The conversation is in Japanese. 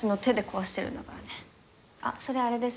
あっそれあれです